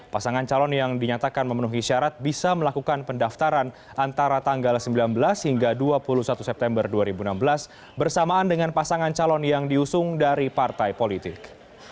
pasangan calon yang dinyatakan memenuhi syarat bisa melakukan pendaftaran antara tanggal sembilan belas hingga dua puluh satu september dua ribu enam belas bersamaan dengan pasangan calon yang diusung dari partai politik